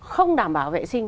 không đảm bảo vệ sinh